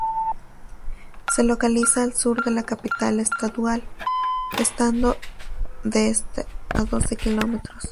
Se localiza al sur de la capital estadual, estando de esta a doce kilómetros.